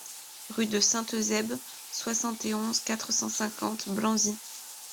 Rue de Saint-Eusebe, soixante et onze, quatre cent cinquante Blanzy